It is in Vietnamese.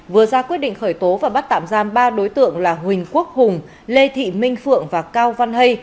vừa ra quyết định khởi tố và bắt tạm giam ba đối tượng là huỳnh quốc hùng lê thị minh phượng và cao văn hay